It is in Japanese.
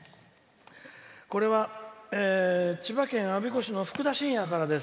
これは、千葉県我孫子市のふくだしんやからです。